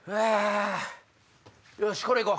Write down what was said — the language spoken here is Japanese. よしこれ行こう！